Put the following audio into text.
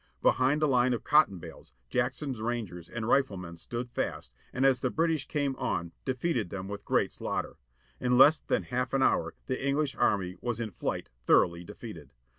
Behind a line of cotton bales Jackson's rangers and riflemen stood fast, and as the British came on defeated them with great slaughter. In less than half an hour the English army was in flight thoroughly defeated.